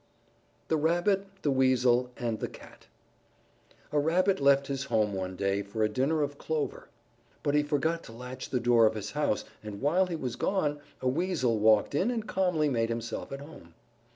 _ THE RABBIT, THE WEASEL, AND THE CAT A Rabbit left his home one day for a dinner of clover. But he forgot to latch the door of his house and while he was gone a Weasel walked in and calmly made himself at home.